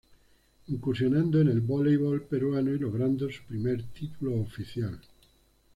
Incursionando en el Voleibol peruano y logrando su primer título oficial.